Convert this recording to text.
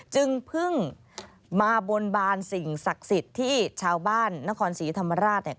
จึงเพิ่งมาบนบานสิ่งศักดิ์สิทธิ์ที่ชาวบ้านนครศรีธรรมราชเนี่ย